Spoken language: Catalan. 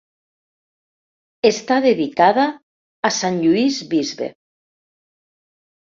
Està dedicada a sant Lluís bisbe.